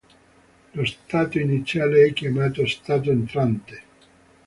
Lo stato iniziale è chiamato stato "entrante".